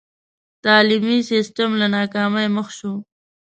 تعلیمي سسټم له ناکامۍ مخ شو.